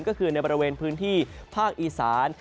ก็คือในบริเวณพื้นที่ภาคอีสาน